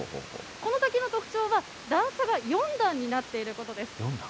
この滝の特徴は、段差が４段になっていることです。